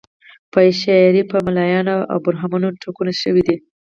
په شاعري کې په ملایانو او برهمنانو ټکونه شوي دي.